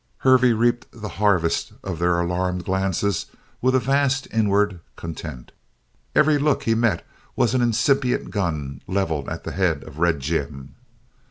Hervey reaped the harvest of their alarmed glances with a vast inward content. Every look he met was an incipient gun levelled at the head of Red Jim.